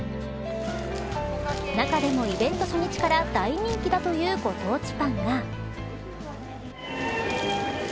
中でもイベント初日から大人気だというご当地パンが。